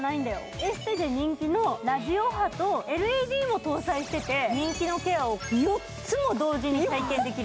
エステで人気のラジオ波とＬＥＤを搭載していて人気のケアを４つも同時に体験できる。